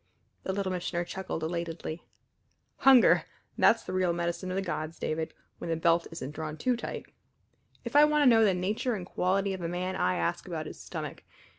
The Little Missioner chuckled elatedly. "Hunger! that's the real medicine of the gods, David, when the belt isn't drawn too tight. If I want to know the nature and quality of a man I ask about his stomach.